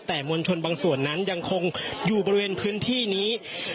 แต่มวลชนบางส่วนนั้นยังคงอยู่บริเวณพื้นที่นี้